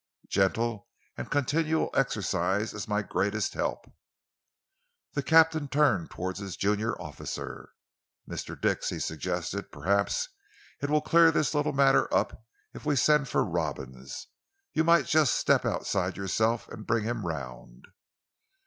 Gentle and continual exercise is my greatest help." The captain turned towards his junior officer. "Mr. Dix," he suggested, "perhaps it will clear this little matter up if we send for Robins. You might just step out yourself and bring him round."